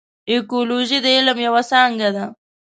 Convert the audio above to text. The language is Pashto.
اکولوژي د علم یوه څانګه ده.